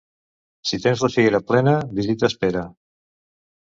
Si tens la figuera plena, visites espera.